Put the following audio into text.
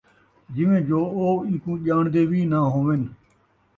جیویں جو او ایکوں جاݨدے وِی نہ ہووِن ۔